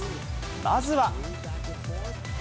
まずは。